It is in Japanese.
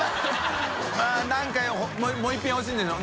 泙何かもう１品ほしいんでしょ。